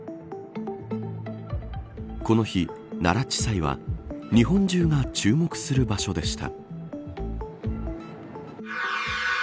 この日、奈良地裁は日本中が注目する場所でした。